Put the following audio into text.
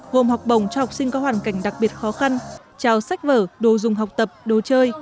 gồm học bổng cho học sinh có hoàn cảnh đặc biệt khó khăn trao sách vở đồ dùng học tập đồ chơi